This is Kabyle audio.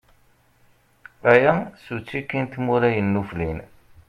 Aya, s uttiki n tmura yennuflin.